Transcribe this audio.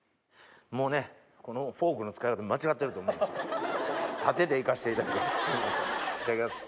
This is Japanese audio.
もうねこのフォークの使い方間違ってると思うんですけど。